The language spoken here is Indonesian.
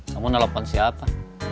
kamu telepon siapa